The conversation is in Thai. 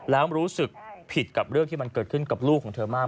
แล้วรู้สึกผิดกับเรื่องที่มันเกิดขึ้นกับลูกของเธอมาก